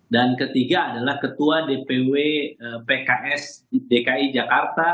ketiga adalah ketua dpw pks dki jakarta